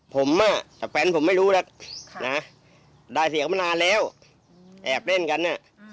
ผมกับแฟนผมไม่รู้แล้วนะได้เสียงมานานแล้วแอบเล่นกันน่ะ